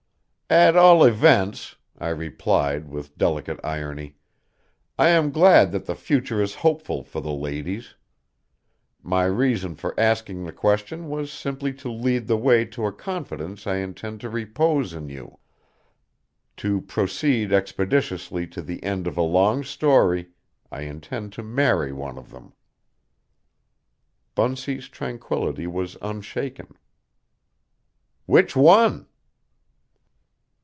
"At all events," I replied with delicate irony, "I am glad that the future is hopeful for the ladies. My reason for asking the question was simply to lead the way to a confidence I intend to repose in you. To proceed expeditiously to the end of a long story, I intend to marry one of them." Bunsey's tranquillity was unshaken. "Which one?"